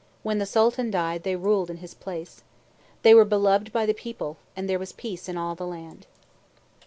When the Sultan died, they ruled in his place. They were beloved by the people, and there was peace in all the land.